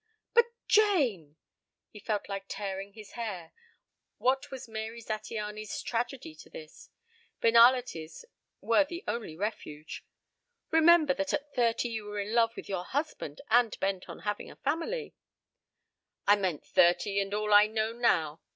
"But Jane!" He felt like tearing his hair. What was Mary Zattiany's tragedy to this? Banalities were the only refuge. "Remember that at thirty you were in love with your husband and bent on having a family " "I meant thirty and all I know now.